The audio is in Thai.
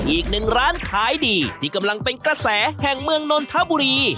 อีกหนึ่งร้านขายดีที่กำลังเป็นกระแสแห่งเมืองนนทบุรี